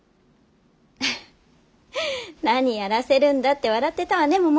フフッ何やらせるんだって笑ってたわね